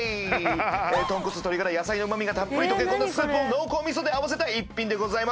豚骨鶏がら野菜のうま味がたっぷり溶け込んだスープを濃厚味噌で合わせた一品でございます。